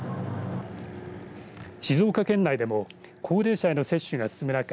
静岡県内でも高齢者への接種が進む中